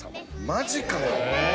マジかよ！